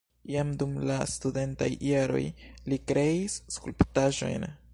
Jam dum la studentaj jaroj li kreis skulptaĵojn.